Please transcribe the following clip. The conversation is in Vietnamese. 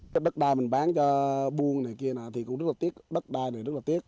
đất đai mình bán cho buông này kia thì cũng rất là tiếc đất đai này rất là tiếc